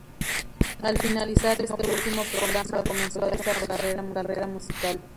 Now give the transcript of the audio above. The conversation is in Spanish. Al finalizar este último programa, comenzó a desarrollar una carrera musical.